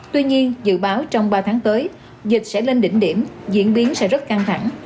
tuy nhiên dự báo trong ba tháng tới dịch sẽ lên đỉnh điểm diễn biến sẽ rất căng thẳng